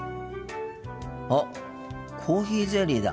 あっコーヒーゼリーだ。